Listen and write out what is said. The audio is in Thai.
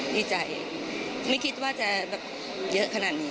ดีใจไม่คิดว่าจะแบบเยอะขนาดนี้